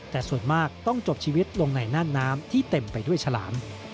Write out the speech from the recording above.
แต่ส่วนมากต้องจบชีวิตลงในน่านน้ำที่เต็มไปด้วยฉลาม